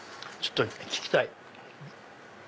ちょっと聞きたい。